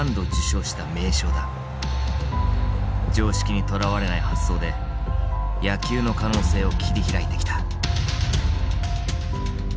常識にとらわれない発想で野球の可能性を切り開いてきた。